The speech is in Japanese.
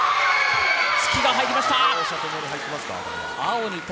突きが入りました。